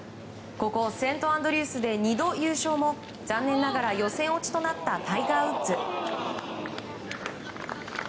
ここセントアンドリュースで２度優勝も残念ながら予選落ちとなったタイガー・ウッズ。